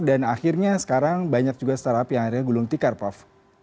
dan akhirnya sekarang banyak juga startup yang akhirnya gulung tikar prof